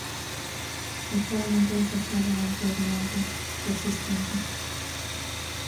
Usualmente asociado a un perianto persistente.